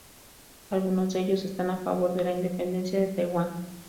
Algunos de ellos están a favor de la independencia de Taiwán.